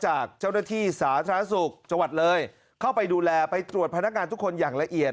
จากเจ้าหน้าที่สาธารณสุขจังหวัดเลยเข้าไปดูแลไปตรวจพนักงานทุกคนอย่างละเอียด